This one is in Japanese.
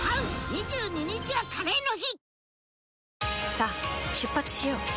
さあ出発しよう。